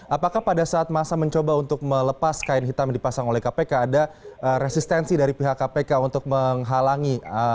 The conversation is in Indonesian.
apakah pada saat masa mencoba untuk melepas kain hitam yang dipasang oleh kpk ada resistensi dari pihak kpk untuk menghalangi